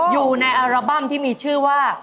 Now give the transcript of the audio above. อยู่อารอบัมที่มีชื่อว่า